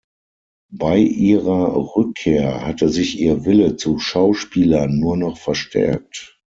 Bei ihrer Rückkehr hatte sich ihr Wille zu schauspielern nur noch verstärkt.